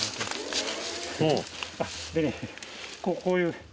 こういう。